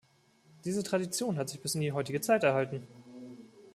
Diese Tradition hat sich bis in die heutige Zeit erhalten.